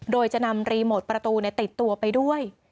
โดยจะนำรีโมทประตูติดตัวไปด้วย